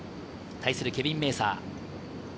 対するケビン・メーサー。